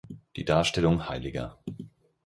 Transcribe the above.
Die Darstellung hl.